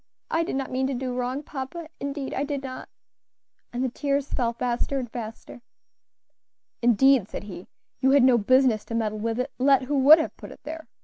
I did not mean to do wrong, papa, indeed I did not," and the tears fell faster and faster. "Indeed," said he, "you had no business to meddle with it, let who would have put it there.